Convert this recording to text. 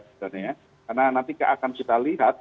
karena nanti akan kita lihat